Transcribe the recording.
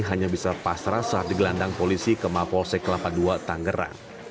hanya bisa pasrah saat digelandang polisi ke mapolsek delapan puluh dua tanggerang